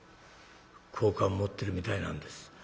好感持ってるみたいなんです。